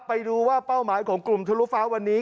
ไปดูว่าเป้าหมายของกลุ่มทะลุฟ้าวันนี้